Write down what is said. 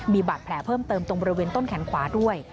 มีบาดแผลเพิ่มเติมตรงบริเวณต้นแขนขวาด้วย